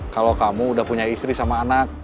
kalau kamu udah punya istri sama anak